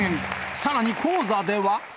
さらに、高座では。